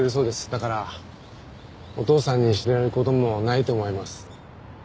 だからお父さんに知られる事もないと思います。